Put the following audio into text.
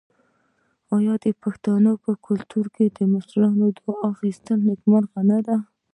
آیا د پښتنو په کلتور کې د مشرانو دعا اخیستل نیکمرغي نه ده؟